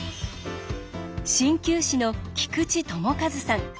鍼灸師の菊池友和さん。